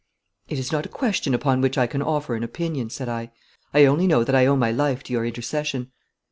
'It is not a question upon which I can offer an opinion,' said I. 'I only know that I owe my life to your intercession.'